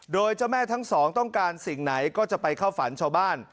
โดยเจ้าแม่ทั้งสองต้องการสิ่งไหนก็จะไปเข้าฝันชาวบ้าน